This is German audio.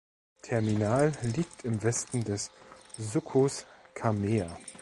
Terminal liegt im Westen des Sucos Camea.